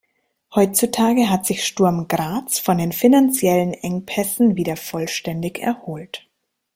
Heutzutage hat sich Sturm Graz von den finanziellen Engpässen wieder vollständig erholt.